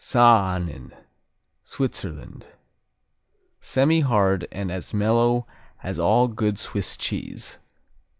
Saanen Switzerland Semihard and as mellow as all good Swiss cheese.